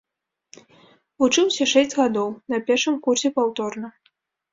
Вучыўся шэсць гадоў, на першым курсе паўторна.